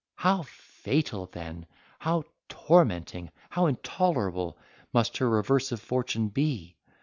How fatal then, how tormenting, how intolerable, must her reverse of fortune be!